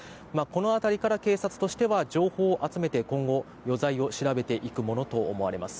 この辺りから警察としては情報を集めて今後、余罪を調べていくものと思われます。